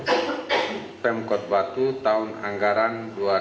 di pemkot batu tahun anggaran dua ribu tujuh belas